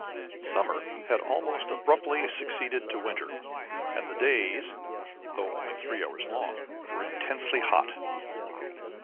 Summer had almost abruptly succeeded to winter, and the days, though only three hours long, were intensely hot.